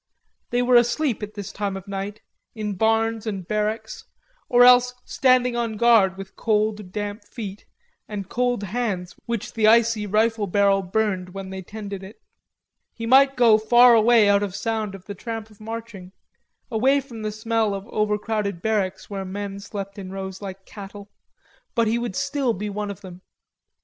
They were asleep at this time of night, in barns and barracks, or else standing on guard with cold damp feet, and cold hands which the icy rifle barrel burned when they tended it. He might go far away out of sound of the tramp of marching, away from the smell of overcrowded barracks where men slept in rows like cattle, but he would still be one of them.